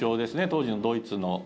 当時の、ドイツの。